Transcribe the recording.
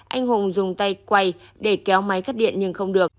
anh hùng dùng tay quay để kéo máy cắt điện nhưng không được